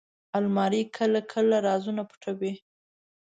الماري کله کله رازونه پټوي